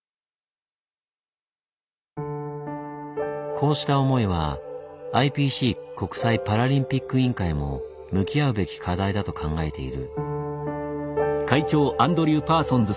こうした思いはＩＰＣ国際パラリンピック委員会も向き合うべき課題だと考えている。